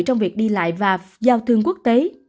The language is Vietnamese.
trong việc đi lại và giao thương quốc tế